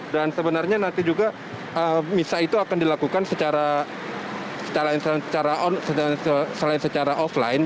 dan sebenarnya nanti juga misa itu akan dilakukan secara online selain secara offline